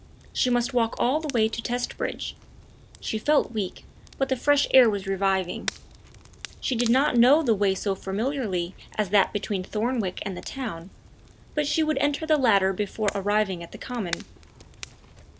She must walk all the way to Testbridge. She felt weak, but the fresh air was reviving. She did not know the way so familiarly as that between Thornwick and the town, but she would enter the latter before arriving at the common.